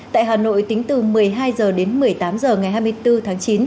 tại hà nội tính từ một mươi hai h đến một mươi tám h ngày hai mươi bốn tháng chín